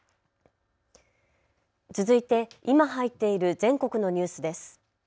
続いて今入っている全国のニュースです。